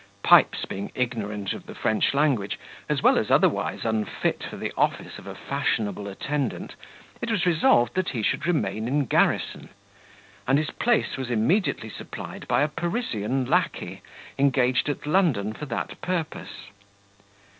Pipes being ignorant of the French language, as well as otherwise unfit for the office of a fashionable attendant, it was resolved that he should remain in garrison; and his place was immediately supplied by a Parisian lacquey engaged at London for that purpose.